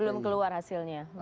belum keluar hasilnya